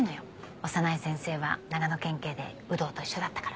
小山内先生は長野県警で有働と一緒だったから。